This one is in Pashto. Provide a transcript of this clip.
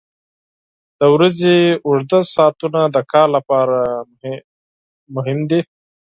• د ورځې اوږده ساعتونه د کار لپاره مهم دي.